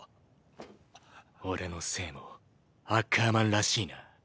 俺の姓もアッカーマンらしいな？